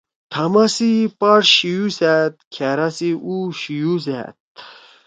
تھاما سی پاݜ شِیؤ سأد۔ کھأرا سی اُو شِیؤ سأد